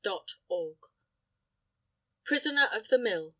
THE PRISONER OF THE MILL.